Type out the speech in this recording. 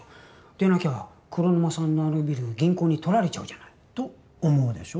でなきゃ黒沼さんのあのビル銀行に取られちゃうじゃないと思うでしょ？